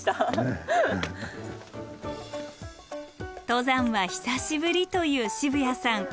登山は久しぶりという渋谷さん。